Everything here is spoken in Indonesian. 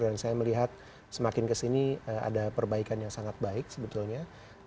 dan saya melihat semakin kesini ada perbaikan yang sangat baik sebetulnya